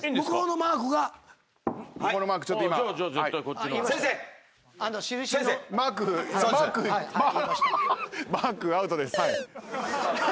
「マーク」アウトです。